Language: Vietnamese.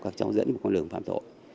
các cháu dẫn một con đường phạm tội